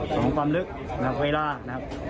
ของความลึกนะครับค่อยลากนะครับ